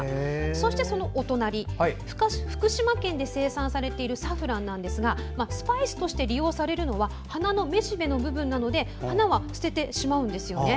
そしてそのお隣、福島県で生産されているサフランですがスパイスとして利用されるのは花のめしべの部分なので花は捨ててしまうんですよね。